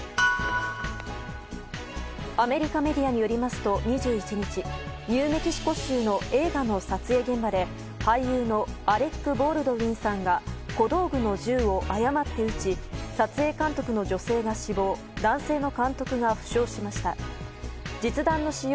アメリカメディアによりますと２１日ニューメキシコ州の映画の撮影現場で俳優のアレック・ボールドウィンさんが小道具の銃を誤って撃ち撮影監督の女性が死亡男性の監督が負傷しました。